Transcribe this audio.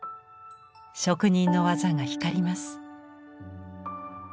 職人の技が光ります。